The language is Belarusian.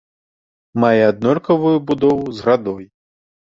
Мае аднолькавую будову з градой.